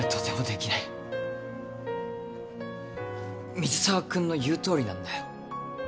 水沢君の言うとおりなんだよ。